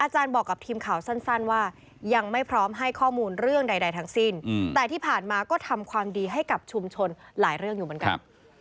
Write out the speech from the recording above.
บอกกับทีมข่าวสั้นว่ายังไม่พร้อมให้ข้อมูลเรื่องใดทั้งสิ้นแต่ที่ผ่านมาก็ทำความดีให้กับชุมชนหลายเรื่องอยู่เหมือนกัน